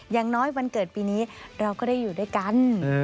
อย่างน้อยวันเกิดปีนี้เราก็ได้อยู่ด้วยกัน